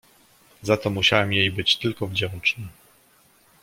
"Za to musiałem jej być tylko wdzięczny."